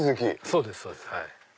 そうですそうです。